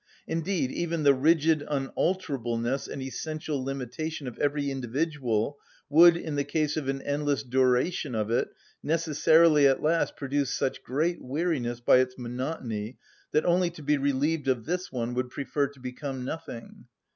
Indeed, even the rigid unalterableness and essential limitation of every individual would, in the case of an endless duration of it, necessarily at last produce such great weariness by its monotony that only to be relieved of this one would prefer to become nothing.